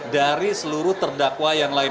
dari seluruh terdakwa yang lain